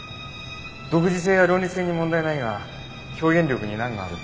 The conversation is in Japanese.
独自性や論理性に問題はないが表現力に難があるって。